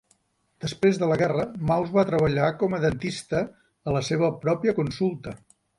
Després de la guerra, Mauss va treballar com a dentista a la seva pròpia consulta.